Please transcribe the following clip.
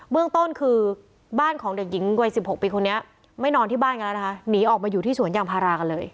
เรื่องต้นคือบ้านของเด็กหญิงวัยสิบหกปีคนนี้ไม่นอนที่บ้านกันแล้วนะคะหนีออกมาอยู่ที่สวนยางพารากันเลย